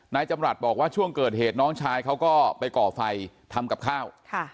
นายจำรัฐบอกว่าช่วงเกิดเหตุน้องชายเขาก็ไปก่อไฟทำกับข้าว